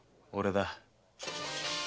俺だ。